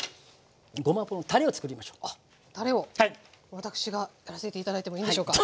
私がやらせて頂いてもいいんでしょうか？